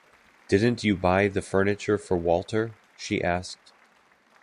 “Didn’t you buy the furniture for Walter?” she asked.